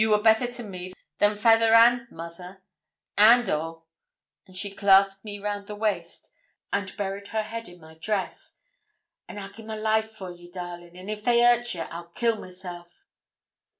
Ye were better to me than fayther and mother, and a';' and she clasped me round the waist, and buried her head in my dress; 'an I'll gie my life for ye, darling, and if they hurt ye I'll kill myself.'